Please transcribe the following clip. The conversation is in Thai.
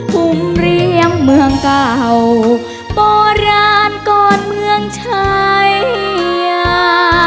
ภูมิเรียงเมืองเก่าโบราณก่อนเมืองชัยยา